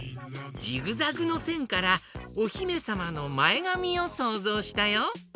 ジグザグのせんからおひめさまのまえがみをそうぞうしたよ。